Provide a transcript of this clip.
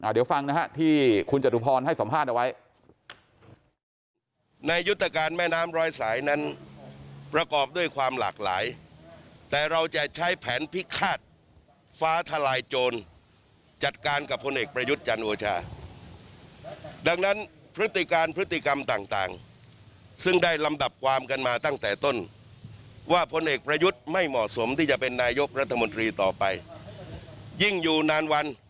เดี๋ยวฟังนะฮะที่คุณจตุพรให้สัมภาษณ์เอาไว้